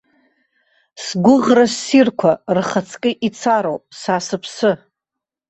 Сгәыӷра ссирқәа рхаҵкы ицароуп са сыԥсы.